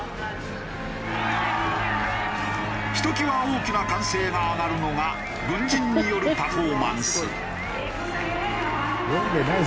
ひときわ大きな歓声が上がるのが軍人によるパフォーマンス。